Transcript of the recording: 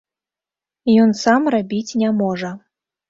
Ён сам рабіць не можа.